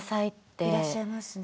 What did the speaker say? いらっしゃいますね。